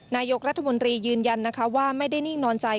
นายกรัฐมนตรียืนยันนะคะว่าไม่ได้นิ่งนอนใจ